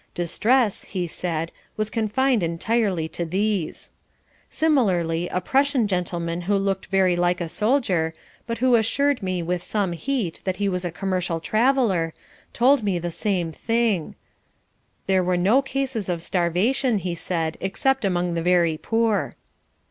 Distress, he said, was confined entirely to these. Similarly a Prussian gentleman who looked very like a soldier, but who assured me with some heat that he was a commercial traveller, told me the same thing: There were no cases of starvation, he said, except among the very poor.